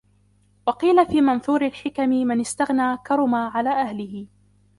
وَقِيلَ فِي مَنْثُورِ الْحِكَمِ مَنْ اسْتَغْنَى كَرُمَ عَلَى أَهْلِهِ